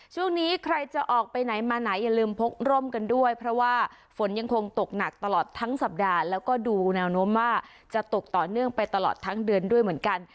ช่วงนี้ใครจะออกไปไหนมาไหนอย่าลืมพกร่มกันด้วยเพราะว่าฝนยังคงตกหนักตลอดทั้งสัปดาห์แล้วก็ดูแนวโน้มว่าจะตกต่อเนื่องไปตลอดทั้งเดือนด้วยเหมือนกัน